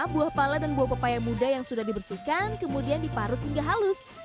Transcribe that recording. buah pala dan buah pepaya muda yang sudah dibersihkan kemudian diparut hingga halus